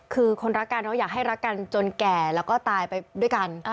คือคนรักกันเนอะอยากให้รักกันจนแก่แล้วก็ตายไปด้วยกัน